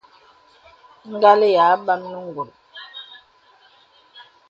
Ngàl yā àbam nə ngùl.